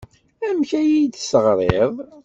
Amek ay iyi-d-teɣriḍ?